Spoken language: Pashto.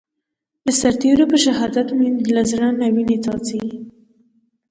د سرتېرو په شهادت مې له زړه څخه وينې څاڅي.